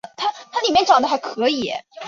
主要族群语言为闽南语和现代汉语。